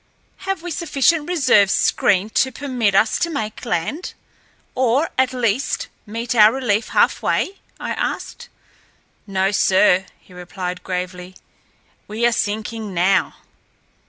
"Have we sufficient reserve screen to permit us to make land, or, at least, meet our relief halfway?" I asked. "No, sir," he replied gravely; "we are sinking now."